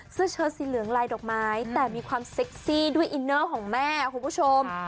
เชิดสีเหลืองลายดอกไม้แต่มีความเซ็กซี่ด้วยอินเนอร์ของแม่คุณผู้ชม